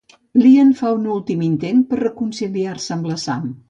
L'Ian fa un últim intent per reconciliar-se amb la Sam.